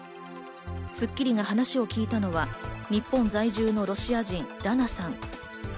『スッキリ』が話を聞いたのは日本在住のロシア人、ラナさん。